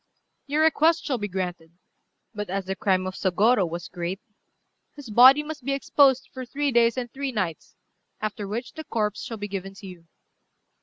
"Your request shall be granted; but as the crime of Sôgorô was great, his body must be exposed for three days and three nights, after which the corpse shall be given to you."